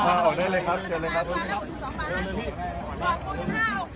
มีผู้ที่ได้รับบาดเจ็บและถูกนำตัวส่งโรงพยาบาลเป็นผู้หญิงวัยกลางคน